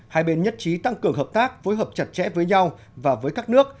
hai bên nhất trí tăng cường hợp tác phối hợp chặt chẽ với nhau và với các nước